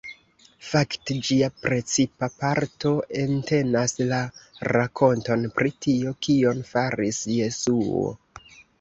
Fakte ĝia precipa parto entenas la rakonton pri tio kion faris Jesuo.